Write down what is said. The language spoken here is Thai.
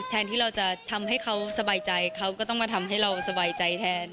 แทนที่เราจะทำให้เขาสบายใจเขาก็ต้องมาทำให้เราสบายใจแทน